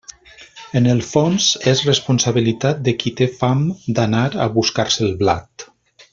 En el fons, és responsabilitat de qui té fam d'anar a buscar-se el blat.